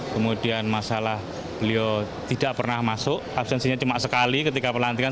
kemudian masalah beliau tidak pernah masuk absensinya cuma sekali ketika pelantikan